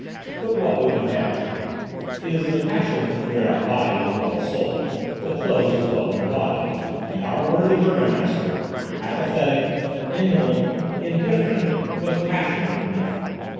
But what would you have? It is the passions which wear out body as well as soul, the clothes as well as the body; and our worthy burgomaster, apathetic, indolent, indifferent, was passionate in nothing.